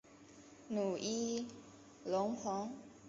努伊隆蓬。